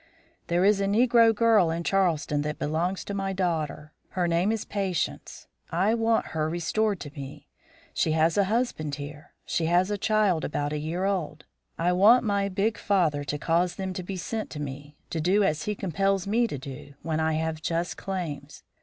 There is a negro girl in Charleston that belongs to my daughter her name is Patience. I want her restored to me. She has a husband here; she has a child about a year old. I want my big father to cause them to be sent to me, to do as he compels me to do, when I have just claims.